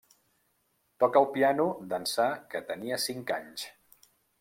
Toca el piano d'ençà que tenia cinc anys.